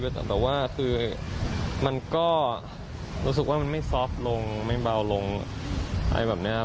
แต่ว่าคือมันก็รู้สึกว่ามันไม่ซอฟต์ลงไม่เบาลงอะไรแบบนี้ครับ